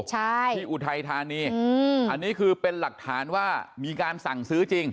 ใช่ที่อุทัยธานีอืมอันนี้คือเป็นหลักฐานว่ามีการสั่งซื้อจริง